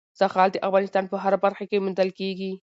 زغال د افغانستان په هره برخه کې موندل کېږي.